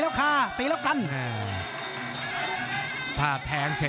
ภูตวรรณสิทธิ์บุญมีน้ำเงิน